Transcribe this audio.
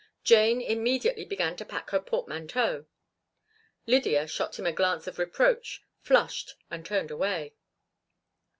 Jane immediately began to pack her portmanteau. Lydia shot him a glance of reproach, flushed, and turned away.